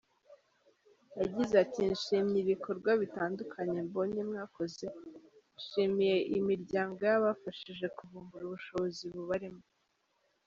Yagize ati “Nshimye ibikorwa bitandukanye mbonye mwakoze, nshimiye iyi miryango yabafashije kuvumbura ubushobozi bubarimo.